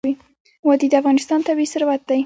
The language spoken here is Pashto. وادي د افغانستان طبعي ثروت دی.